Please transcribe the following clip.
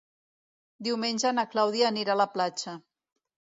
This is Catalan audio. Diumenge na Clàudia anirà a la platja.